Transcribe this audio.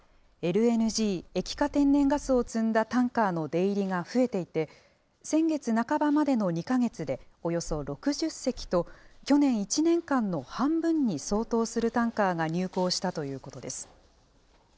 ＬＮＧ・液化天然ガスを積んだタンカーの出入りが増えていて、先月半ばまでの２か月でおよそ６０隻と、去年１年間の半分に相当するタンカーが入港したということです。